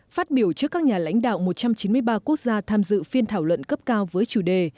phát biểu trước các nhà lãnh đạo một trăm chín mươi ba quốc gia tham dự phiên thảo luận cấp cao với chủ đề